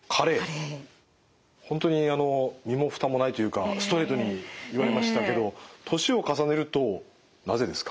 本当に身もふたもないというかストレートに言われましたけど年を重ねるとなぜですか？